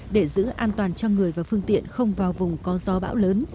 để giữ an toàn cho người và phương tiện không vào vùng có gió bão lớn